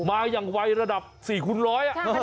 มาอย่างไวระดับ๔คูณร้อย